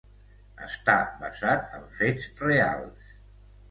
Està basat en fets reals.